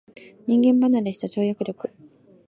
人間離れした跳躍力